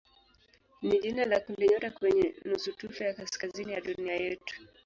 ni jina la kundinyota kwenye nusutufe ya kaskazini ya dunia yetu.